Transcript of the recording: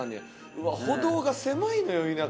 うわっ歩道が狭いのよ田舎は。